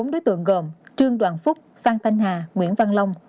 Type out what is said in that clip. bốn đối tượng gồm trương đoàn phúc phan thanh hà nguyễn văn long